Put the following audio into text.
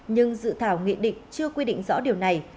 nhưng dự thảo nghị định chưa quy định rõ điều này